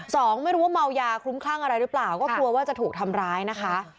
สองไม่รู้ว่าเมายาคลุ้มคลั่งอะไรหรือเปล่าก็กลัวว่าจะถูกทำร้ายนะคะ